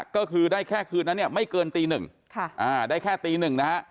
ก็คือได้แค่คืนนั้นเนี่ยไม่เกินตี๑ได้แค่ตี๑นะฮะ